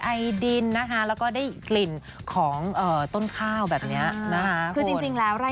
อาหารอร่อยด้วยนะคะ